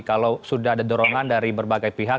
kalau sudah ada dorongan dari berbagai pihak